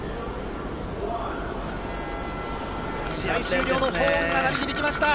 試合終了のホーンが鳴り響きました。